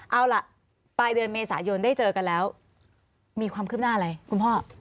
เอาล่ะปลายเดือนเมษายนได้เจอกันแล้วมีความคืบหน้าอะไรคุณพ่อ